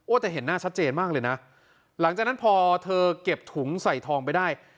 แต่เห็นหน้าชัดเจนมากเลยนะหลังจากนั้นพอเธอเก็บถุงใส่ทองไปได้